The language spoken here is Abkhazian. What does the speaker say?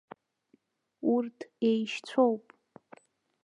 Урҭ еишьцәоуп!